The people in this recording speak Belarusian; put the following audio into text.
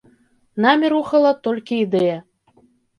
Намі рухала толькі ідэя.